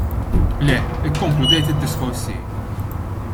Le, ikkonkludejt id-diskors tiegħi.